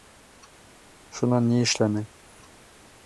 Шунан ни эшләнең?